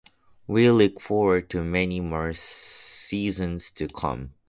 We look forward to many more seasons to come.